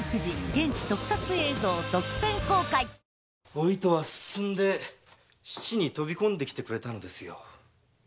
お糸は進んで死地に飛び込んできてくれたんですよ。